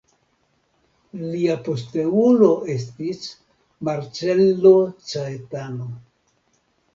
Lia posteulo estis Marcello Caetano.